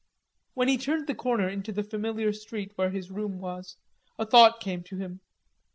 When he turned the corner into the familiar street where his room was, a thought came to him.